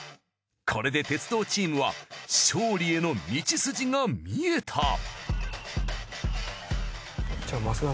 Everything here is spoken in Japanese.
これで鉄道チームは勝利への道筋が見えた。